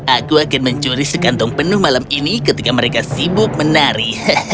aku akan mencuri sekantong penuh malam ini ketika mereka sibuk menari